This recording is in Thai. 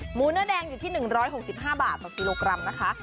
เนื้อแดงอยู่ที่๑๖๕บาทต่อกิโลกรัมนะคะ